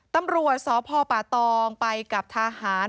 ตำรวจสพป่าตองไปกับทหาร